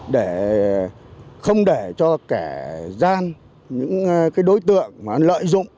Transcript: để không để cho kẻ gian những đối tượng lợi dụng